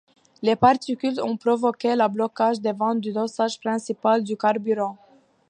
Les particules ont provoqué le blocage des vannes de dosage principales du carburant.